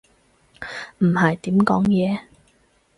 唔係點講嘢